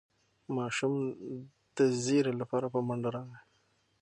ماشوم د زېري لپاره په منډه راغی.